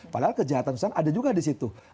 padahal kejahatan seksual ada juga di situ